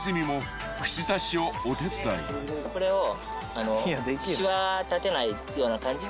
これをしわ立てないような感じで。